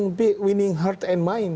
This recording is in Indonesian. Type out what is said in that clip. menang hati dan pikiran